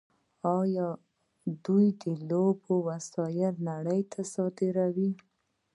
دوی د لوبو وسایل نړۍ ته صادروي.